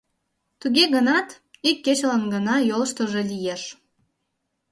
Туге гынат, ик кечылан гына йолыштыжо лиеш.